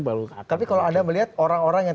balukan tapi kalau anda melihat orang orang yang